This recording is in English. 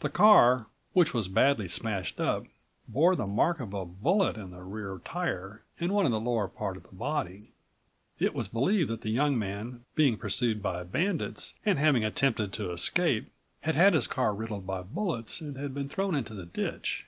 The car, which was badly smashed up, bore the mark of a bullet in a rear tire and one in the lower part of the body. It was believed that the young man, being pursued by bandits and having attempted to escape, had had81 his car riddled by bullets and had been thrown into the ditch.